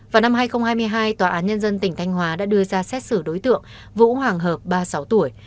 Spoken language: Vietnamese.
vào năm hai nghìn hai mươi hai tòa án nhân dân tỉnh thanh hóa đã đưa ra xét xử đối tượng vũ hoàng hợp ba mươi sáu tuổi